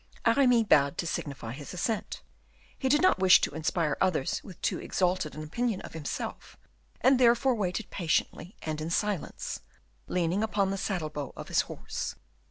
Aramis bowed to signify his assent; he did not wish to inspire others with too exalted an opinion of himself, and therefore waited patiently and in silence, leaning upon the saddle bow of his horse.